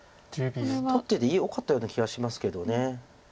取っててよかったような気がしますけど。